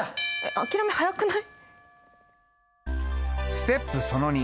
諦め早くない？